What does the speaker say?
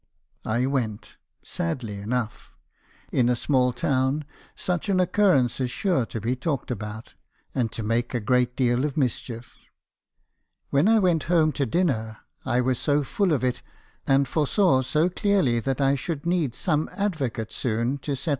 "I went, and sadly enough. In a small town such an oc currence is sure to be talked about, and to make a great deal of mischief. When I went home to dinner 1 was so full of it, and foresaw so clearly that I should need some advocate soon to set 298 me.